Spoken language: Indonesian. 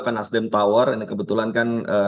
ke nasdem tower ini kebetulan kan